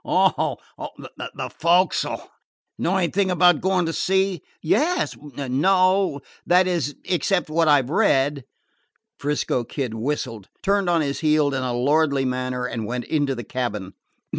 "Oh, the fo'c'sle. Know anything about going to sea?" "Yes no; that is, except what I 've read." 'Frisco Kid whistled, turned on his heel in a lordly manner, and went into the cabin.